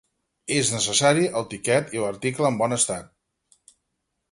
És necessari el tiquet i l'article en bon estat